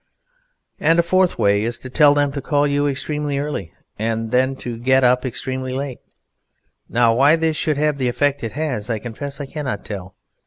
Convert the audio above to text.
And a fourth way is to tell them to call you extremely early, and then to get up extremely late. Now why this should have the effect it has I confess I cannot tell.